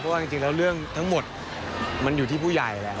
ว่าจริงแล้วเรื่องทั้งหมดมันอยู่ที่ผู้ใหญ่แล้ว